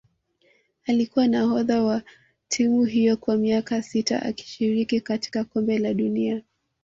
Alikuwa nahodha wa timu hiyo kwa miaka sita akishiriki katika kombe la dunia